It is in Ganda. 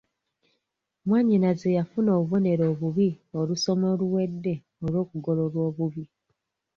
Mwannyinaze yafuna obubonero obubi olusoma oluwedde olw'okugololwa obubi.